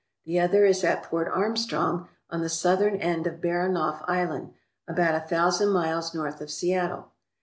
The other is at Port Armstrong on the southern end of Baranof Island, about a thousand miles north of Seattle.